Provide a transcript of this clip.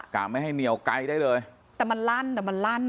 ไม่ให้เหนียวไกลได้เลยแต่มันลั่นแต่มันลั่น